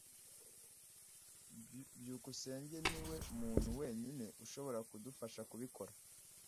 byukusenge niwe muntu wenyine ushobora kudufasha kubikora.